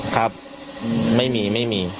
ครับไม่มีไม่มี